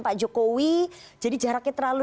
pak jokowi jadi jaraknya terlalu